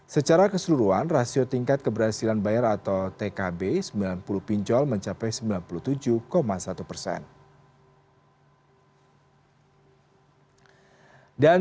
secara keseluruhan rasio tingkat keberhasilan bayar atau tkb sembilan puluh pinjol mencapai sembilan puluh tujuh satu persen